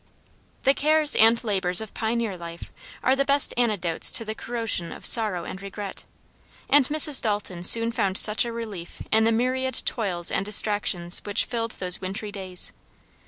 The cares and labors of pioneer life are the best antidotes to the corrosion of sorrow and regret, and Mrs. Dalton soon found such a relief in the myriad toils and distractions which filled those wintry days.